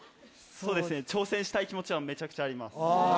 挑戦したい気持ちはめちゃくちゃあります。